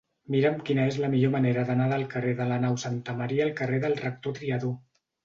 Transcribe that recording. Mira'm quina és la millor manera d'anar del carrer de la Nau Santa Maria al carrer del Rector Triadó.